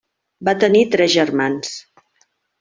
Va tenir tres germans.